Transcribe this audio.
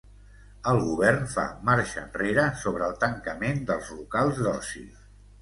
El govern fa marxa enrere sobre el tancament dels locals d'oci.